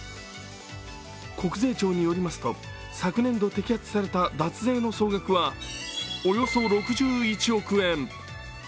国税庁によりますと、昨年度摘発された脱税の総額はおよそ６１億円。